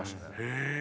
へえ。